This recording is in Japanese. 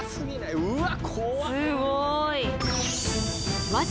うわっ